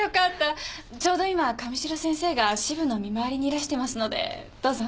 ちょうど今神代先生が支部の見回りにいらしてますのでどうぞ。